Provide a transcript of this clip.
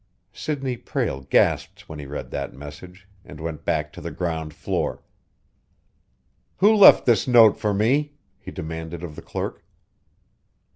Sidney Prale gasped when he read that message, and went back to the ground floor. "Who left this note for me?" he demanded of the clerk.